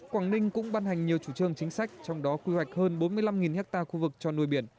quảng ninh cũng ban hành nhiều chủ trương chính sách trong đó quy hoạch hơn bốn mươi năm ha khu vực cho nuôi biển